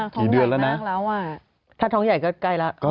ท้องเดือนแล้วนะถ้าท้องใหญ่ก็ใกล้แล้ว